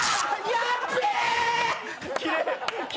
やっべー！